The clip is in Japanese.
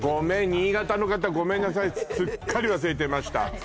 新潟の方ごめんなさいすっかり忘れてました